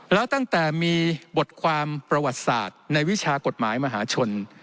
แล้วตั้งแต่มีบทความประวัติศาสตร์ในวิชากฎหมายมหาชน